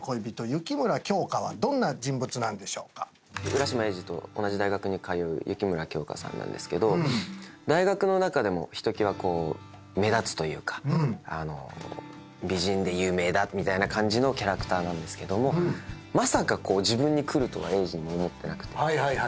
浦島エイジと同じ大学に通う雪村京花さんなんですけど大学の中でもひときわこう目立つというかあの美人で有名だみたいな感じのキャラクターなんですけどもまさか自分に来るとはエイジも思ってなくて。